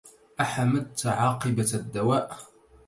أحمدت عاقبة الدواء